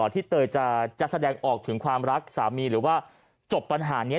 เตยจะแสดงออกถึงความรักสามีหรือว่าจบปัญหานี้